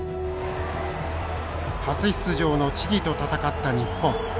初出場のチリと戦った日本。